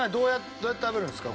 どうやって食べるんですか？